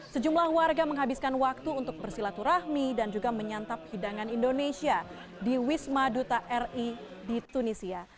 sejumlah warga menghabiskan waktu untuk bersilaturahmi dan juga menyantap hidangan indonesia di wisma duta ri di tunisia